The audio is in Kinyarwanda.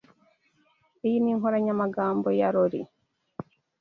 Iyi ni inkoranyamagambo ya Laurie.